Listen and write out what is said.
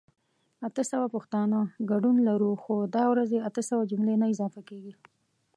اته سوه پښتانه ګډون لرو خو دا ورځې اته سوه جملي نه اضافه کيږي